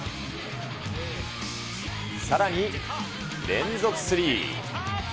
さらに、連続スリー。